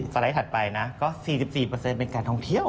ไลด์ถัดไปนะก็๔๔เป็นการท่องเที่ยว